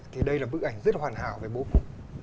thì đây là bức ảnh rất hoàn hảo về bố cụ